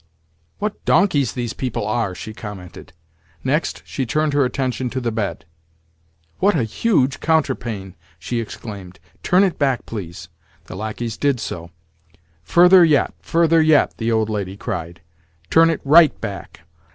"What donkeys these people are!" she commented. Next, she turned her attention to the bed. "What a huge counterpane!" she exclaimed. "Turn it back, please." The lacqueys did so. "Further yet, further yet," the old lady cried. "Turn it right back.